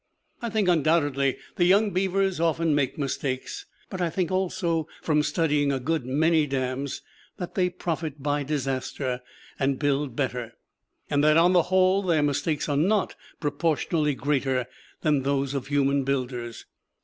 I think undoubtedly the young beavers often make mistakes, but I think also, from studying a good many dams, that they profit by disaster, and build better; and that on the whole their mistakes are not proportionally greater than those of human builders.